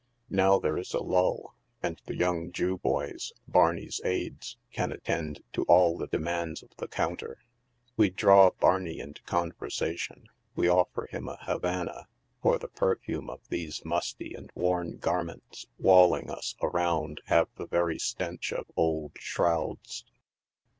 Now there is a lull, and the young Jew boys, Barney's aids, can attend to all the demands of the counter. We draw Barney into conversa tion ; we offer him a Havana, for the perfume of these musty and worn garments walling us around have the very stench of old shrouds.